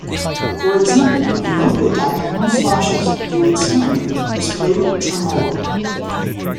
For example, a note with diagonal slashes through its stem is played tremolo.